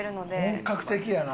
本格的やな。